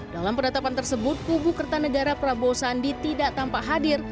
dalam penetapan tersebut kubu kertanegara prabowo sandi tidak tampak hadir